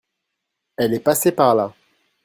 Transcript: elles est passée par là.